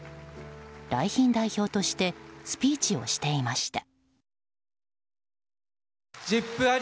来賓代表としてスピーチをしていました。